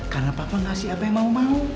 karena papa ngasih apa yang mau mau